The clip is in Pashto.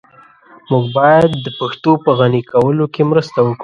موږ بايد د پښتو په غني کولو کي مرسته وکړو.